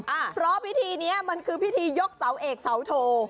เพราะพิธีเนี้ยมันคือพิธียกเสาเอกเสาโท